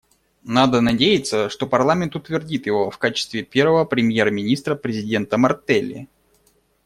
Надо надеяться, что парламент утвердит его в качестве первого премьер-министра президента Мартелли.